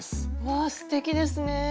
わあすてきですね。